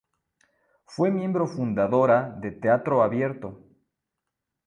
Fue miembro fundadora de Teatro Abierto.